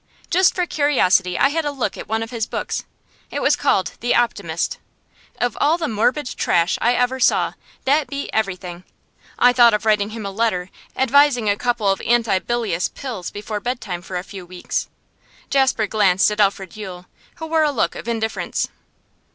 Just for curiosity I had a look at one of his books; it was called "The Optimist." Of all the morbid trash I ever saw, that beat everything. I thought of writing him a letter, advising a couple of anti bilious pills before bedtime for a few weeks.' Jasper glanced at Alfred Yule, who wore a look of indifference.